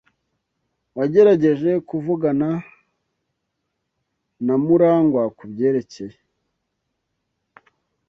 Wagerageje kuvugana na Murangwa kubyerekeye?